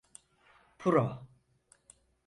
Puro…